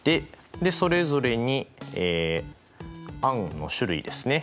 でそれぞれに餡の種類ですね。